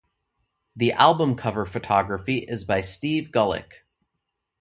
The album cover photography is by Steve Gullick.